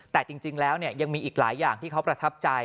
แต่จริงแล้วยังมีอีกหลายอย่างที่เขาประทับใจ